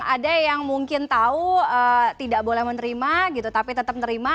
ada yang mungkin tahu tidak boleh menerima gitu tapi tetap menerima